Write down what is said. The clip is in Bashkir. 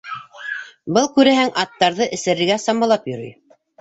Был, күрәһең, аттарҙы эсерергә самалап йөрөй.